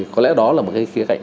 có lẽ đó là một cái khía cạnh